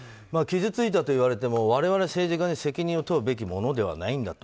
傷ついたといわれても我々、政治家に責任を問うべきものではない。